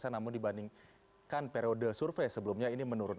namun dibandingkan periode survei sebelumnya ini menurun